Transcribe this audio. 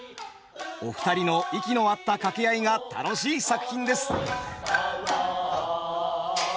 お二人の息の合った掛け合いが楽しい作品です。